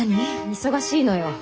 忙しいのよ。